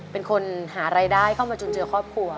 เป็นคนหารายได้เข้ามาจุนเจือครอบครัว